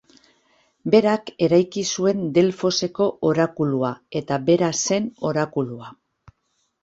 Berak eraiki zuen Delfoseko orakulua eta bera zen orakulua.